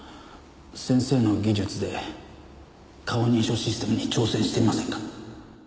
先生の技術で顔認証システムに挑戦してみませんか？